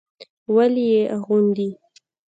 ولې يې اغوندي.